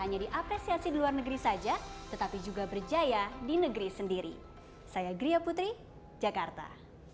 jadi kita bisa mencari perbaikan yang lebih global